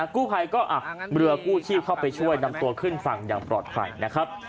กู้ภัยก็เรือกู้ชีพเข้าไปช่วยนำตัวขึ้นฝั่งอย่างปลอดภัยนะครับ